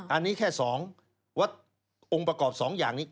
อันนี้แค่๒วัดองค์ประกอบ๒อย่างนี้